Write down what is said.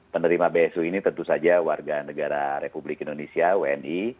penerima bsu ini tentu saja warga negara republik indonesia wni